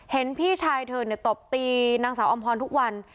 เห็นพี่ชายเธอตบตีนางสาวอำพรทุกวัน